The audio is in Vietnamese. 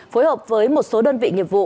phối hợp với một số đơn vị nghiệp vụ